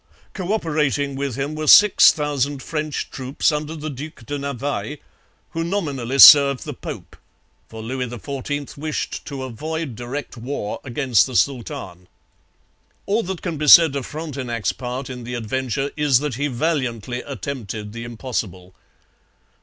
Co operating with him were six thousand French troops under the Duc de Navailles, who nominally served the Pope, for Louis XIV wished to avoid direct war against the Sultan. All that can be said of Frontenac's part in the adventure is that he valiantly attempted the impossible.